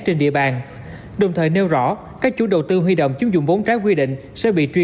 trên địa bàn đồng thời nêu rõ các chủ đầu tư huy động chiếm dụng vốn trái quy định sẽ bị truy